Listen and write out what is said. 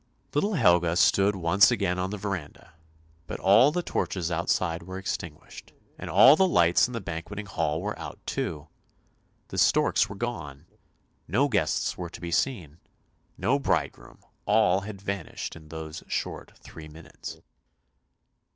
Little Helga stood once again on the verandah, but all the torches outside were extinguished and the lights in the banquet ing hall were out too ; the storks were gone ; no guests were to be seen; no bridegroom — all had vanished in those short three minutes.